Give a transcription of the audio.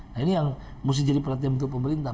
nah ini yang mesti jadi perhatian untuk pemerintah